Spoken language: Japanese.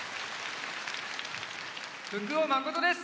福尾誠です。